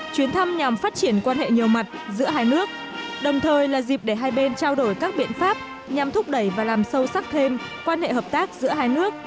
chuyến thăm nhằm phát triển quan hệ nhiều mặt giữa hai nước đồng thời là dịp để hai bên trao đổi các biện pháp nhằm thúc đẩy và làm sâu sắc thêm quan hệ hợp tác giữa hai nước